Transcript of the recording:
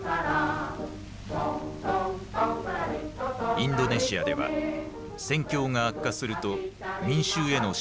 インドネシアでは戦況が悪化すると民衆への締めつけが始まった。